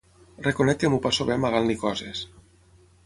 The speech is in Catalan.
Reconec que m'ho passo bé amagant-li coses.